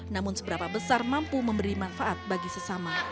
namun seberapa besar mampu memberi manfaat bagi sesama